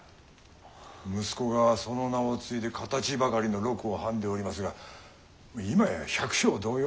息子がその名を継いで形ばかりの禄をはんでおりますが今や百姓同様。